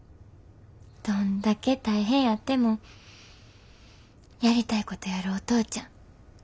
どんだけ大変やってもやりたいことやるお父ちゃん。